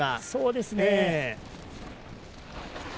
そうですね。